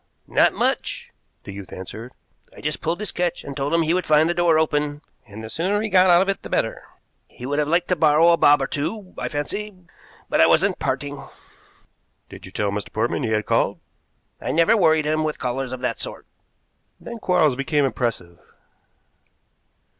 "Not much!" the youth answered. "I just pulled this catch and told him he would find the door open, and the sooner he got out of it the better. He would have liked to borrow a bob or two, I fancy, but I wasn't parting." "Did you tell Mr. Portman he had called?" "I never worried him with callers of that sort." Then Quarles became impressive.